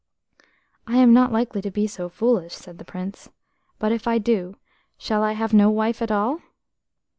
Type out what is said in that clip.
"I am not likely to be so foolish," said the Prince, "but if I do, shall I have no wife at all?"